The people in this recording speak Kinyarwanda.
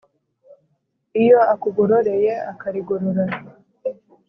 iyo akugororeye akarigorora